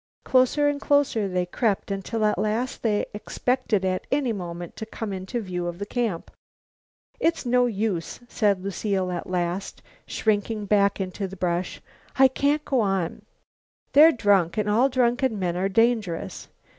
Closer and closer they crept until at last they expected at any moment to come into view of the camp. "It's no use," said Lucile at last, shrinking back into the brush. "I can't go on. They're drunk, and all drunken men are dangerous.